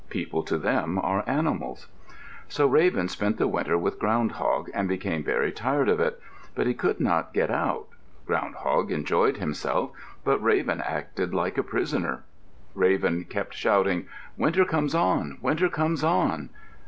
People to them are animals. So Raven spent the winter with Ground hog and became very tired of it. But he could not get out. Ground hog enjoyed himself, but Raven acted like a prisoner. Raven kept shouting, "Winter comes on. Winter comes on."